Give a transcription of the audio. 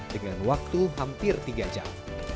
dengan waktu hampir tiga jam